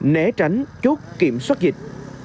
né tránh chốt kiểm soát dịch